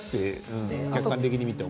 客観的に見ても。